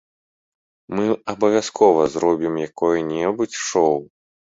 Мы абавязкова зробім якое-небудзь шоў!